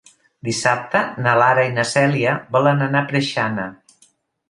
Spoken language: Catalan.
Dissabte na Lara i na Cèlia volen anar a Preixana.